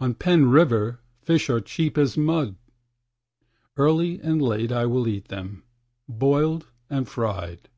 On Pēn River fish are cheap as mud; Early and late I will eat them, boiled and fried.